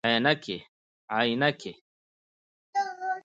👓 عینکي